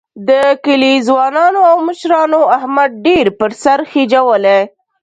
د کلي ځوانانو او مشرانو احمد ډېر په سر خېجولی